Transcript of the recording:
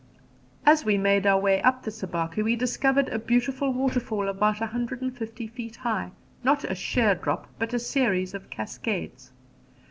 As we made our way up the Sabaki, we discovered a beautiful waterfall about a hundred and fifty feet high not a sheer drop, but a series of cascades.